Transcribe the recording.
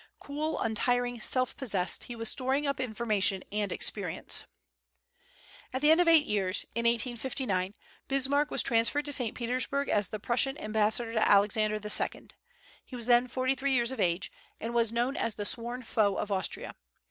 Cool, untiring, self possessed, he was storing up information and experience. At the end of eight years, in 1859, Bismarck was transferred to St. Petersburg as the Prussian ambassador to Alexander II. He was then forty three years of age, and was known as the sworn foe of Austria.